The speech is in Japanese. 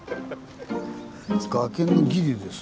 崖のギリですね。